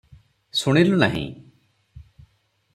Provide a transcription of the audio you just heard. ଶୁଣିଲୁ ନାହିଁ ।